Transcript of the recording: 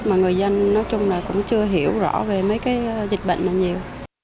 mà người dân nói chung là cũng chưa hiểu rõ về mấy cái dịch bệnh này nhiều